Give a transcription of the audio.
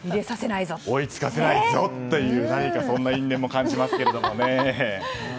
追いつかせないぞというそんな因縁も感じますけれどもね。